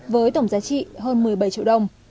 với tổng giá trị hơn một mươi bảy triệu đồng